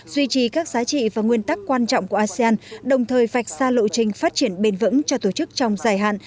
duy trì các giá trị và nguyên tắc quan trọng của asean đồng thời vạch xa lộ trình phát triển bền vững cho tổ chức trong dài hạn